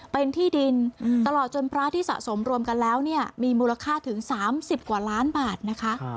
เป็นที่ดินตลอดจนพระที่สะสมรวมกันแล้วเนี่ยมีมูลค่าถึง๓๐กว่าล้านบาทนะคะ